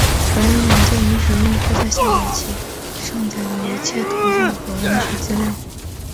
本软件允许用户在下载其上载的一切图像和文字资料。